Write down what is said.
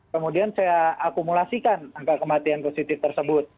kemudian saya akumulasikan angka kematian positif tersebut